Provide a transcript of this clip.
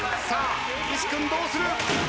岸君どうする。